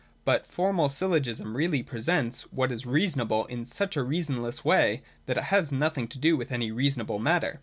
But formal Syllogism really presents what is reasonable in such a reasonless way that it has nothing to do with any reasonable matter.